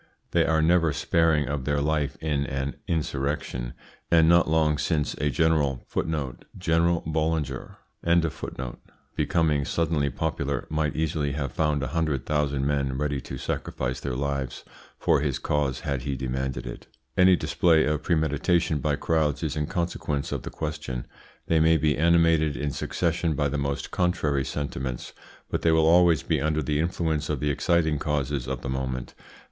They are never sparing of their life in an insurrection, and not long since a general, becoming suddenly popular, might easily have found a hundred thousand men ready to sacrifice their lives for his cause had he demanded it. General Boulanger. Any display of premeditation by crowds is in consequence out of the question. They may be animated in succession by the most contrary sentiments, but they will always be under the influence of the exciting causes of the moment.